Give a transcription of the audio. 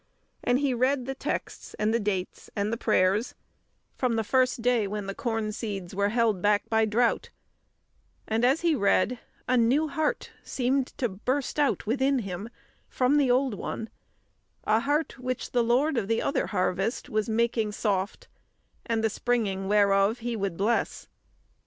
And he read the texts and the dates and the prayers, from the first day when the corn seeds were held back by drought; and as he read a new heart seemed to burst out within him from the old one a heart which the Lord of the other Harvest was making soft, and the springing whereof He would bless.